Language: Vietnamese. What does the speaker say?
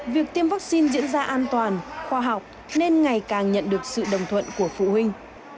việc tiêm vaccine diễn ra an toàn khoa học nên ngày càng nhận được sự đồng thuận của phụ huynh